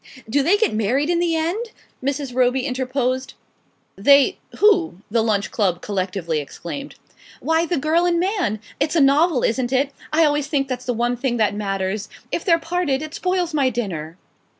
"Do they get married in the end?" Mrs. Roby interposed. "They who?" the Lunch Club collectively exclaimed. "Why, the girl and man. It's a novel, isn't it? I always think that's the one thing that matters. If they're parted it spoils my dinner."